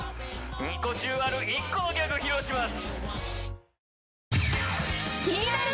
２個中ある１個のギャグ披露します